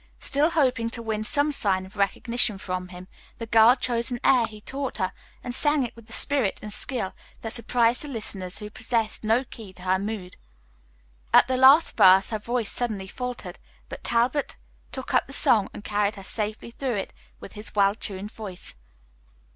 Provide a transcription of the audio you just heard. Still hoping to win some sign of recognition from him, the girl chose an air he taught her and sang it with a spirit and skill that surprised the listeners who possessed no key to her mood. At the last verse her voice suddenly faltered, but Talbot took up the song and carried her safely through it with his well tuned voice.